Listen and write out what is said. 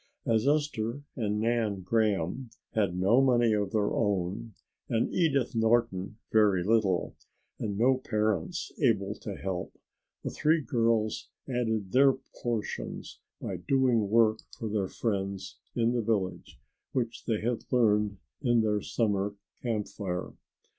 As Esther and Nan Graham had no money of their own and Edith Norton very little and no parents able to help, the three girls added their portions by doing work for their friends in the village which they had learned in their summer camp fire.